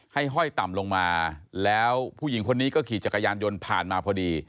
ห้อยต่ำลงมาแล้วผู้หญิงคนนี้ก็ขี่จักรยานยนต์ผ่านมาพอดี